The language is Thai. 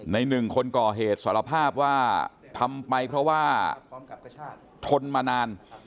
หนึ่งคนก่อเหตุสารภาพว่าทำไปเพราะว่าทนมานาน